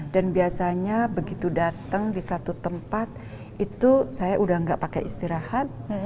dan biasanya begitu datang di satu tempat itu saya udah nggak pakai istirahat